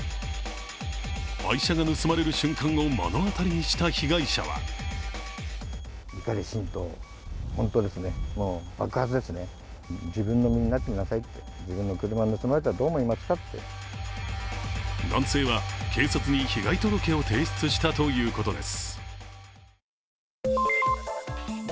愛車が盗まれる瞬間を目の当たりにした被害者は男性は警察に被害届を提出したということです。